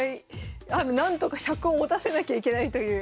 なんとか尺をもたせなきゃいけないという。